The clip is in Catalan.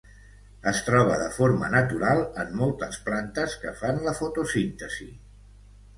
Es troba de forma natural en moltes plantes que fan la fotosíntesi.